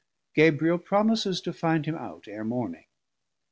Gabriel promises to find him out ere morning.